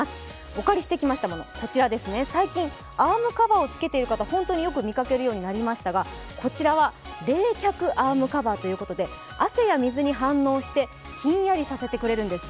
お借りしてきたもの、最近、アームカバーを着けている方、本当によく見かけるようになりましたがこちらは冷却アームカバーということで、汗や水に反応して、ひんやりさせてくれるんです。